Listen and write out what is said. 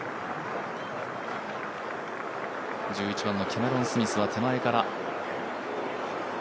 １１番のキャメロン・スミスは手前から。